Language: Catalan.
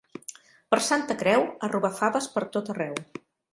Per Santa Creu, a robar faves per tot arreu.